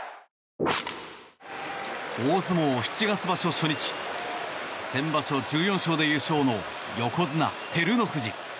大相撲七月場所初日先場所１４勝で優勝の横綱、照ノ富士。